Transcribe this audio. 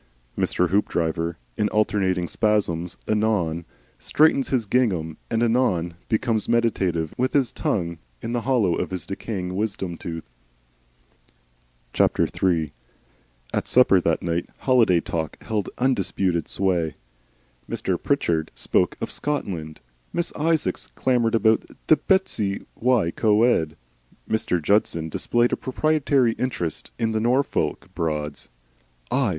Mr. Hoopdriver in alternating spasms anon straightens his gingham and anon becomes meditative, with his tongue in the hollow of his decaying wisdom tooth. III At supper that night, holiday talk held undisputed sway. Mr. Pritchard spoke of "Scotland," Miss Isaacs clamoured of Bettws y Coed, Mr. Judson displayed a proprietary interest in the Norfolk Broads. "I?"